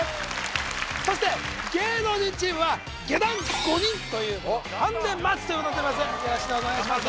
そして芸能人チームは下段５人というハンデマッチということになります